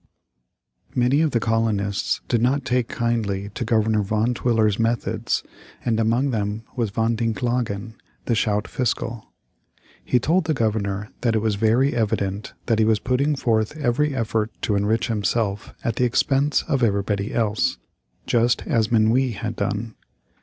Many of the colonists did not take kindly to Governor Van Twiller's methods, and among them was Van Dincklagen, the schout fiscal. He told the Governor that it was very evident that he was putting forth every effort to enrich himself at the expense of everybody else, just as Minuit had done.